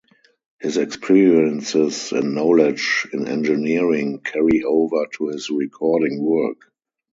His experiences and knowledge in engineering carry over to his recording work.